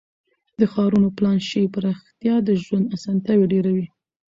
د ښارونو پلان شوې پراختیا د ژوند اسانتیاوې ډیروي.